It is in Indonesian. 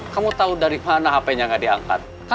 sumpah sudah siap toimong sumpah sumpah